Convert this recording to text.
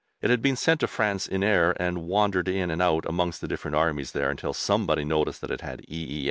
It had been sent to France in error, and wandered in and out amongst the different armies there until somebody noticed that it had "E.